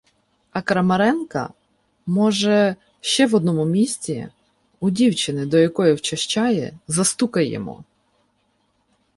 А Крамаренка, може, ще в одному місці, у дівчини, до якої вчащає, застукаємо.